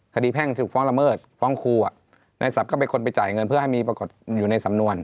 แพ่งถูกฟ้องละเมิดฟ้องครูในศัพท์ก็เป็นคนไปจ่ายเงินเพื่อให้มีปรากฏอยู่ในสำนวน